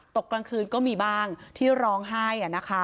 กลางคืนก็มีบ้างที่ร้องไห้